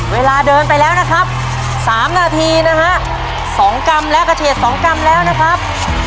เวลาเดินไปแล้วนะครับ๓นาทีนะฮะ๒กรัมและกระเฉด๒กรัมแล้วนะครับ